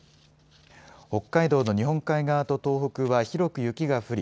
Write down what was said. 北海道の日本海側と東北は広く雪が降り